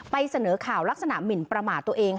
เสนอข่าวลักษณะหมินประมาทตัวเอง